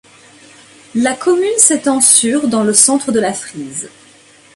La commune s'étend sur dans le centre de la Frise.